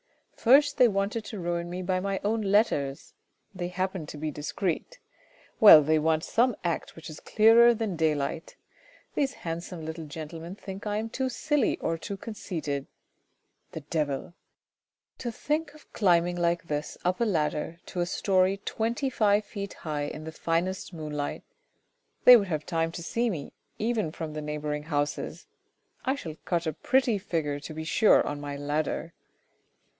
First they wanted to ruin me by my own letters ; they happen to be discreet ; well, they want some act which is clearer than daylight. These handsome little gentlemen think I am too silly or too conceited. The devil ! To think of climb ing like this up a ladder to a storey twenty five feet high in the finest moonlight. They would have time to see me, even from the neighbouring houses. I shall cut a pretty figure to be sure on my ladder